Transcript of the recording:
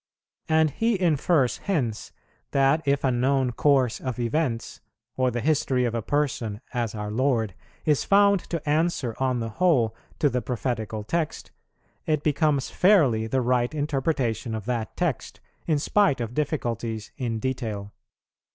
And he infers hence, that if a known course of events, or the history of a person as our Lord, is found to answer on the whole to the prophetical text, it becomes fairly the right interpretation of that text, in spite of difficulties in detail.